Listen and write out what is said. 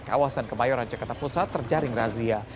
kawasan kemayoran jakarta pusat terjaring razia